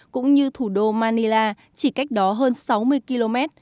cũng như thủ đô manila chỉ cách đó hơn sáu mươi km